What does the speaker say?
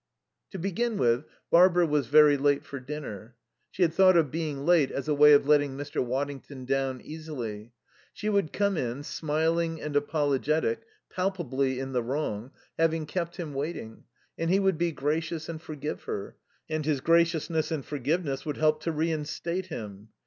To begin with, Barbara was very late for dinner. She had thought of being late as a way of letting Mr. Waddington down easily. She would come in, smiling and apologetic, palpably in the wrong, having kept him waiting, and he would be gracious and forgive her, and his graciousnees and forgiveness would help to reinstate him.